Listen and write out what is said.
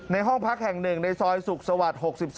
ในห้องพักแห่งหนึ่งในซ้อยศุกษวรรษ๖๔